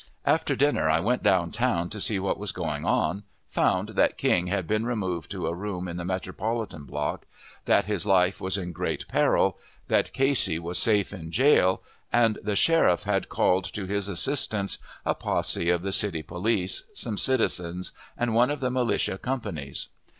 After dinner I went down town to see what was going on; found that King had been removed to a room in the Metropolitan Block; that his life was in great peril; that Casey was safe in jail, and the sheriff had called to his assistance a posse of the city police, some citizens, and one of the militia companies.